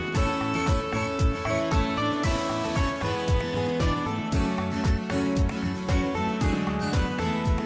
สวัสดีครับ